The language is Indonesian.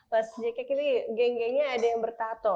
pas jkk ini geng gengnya ada yang bertato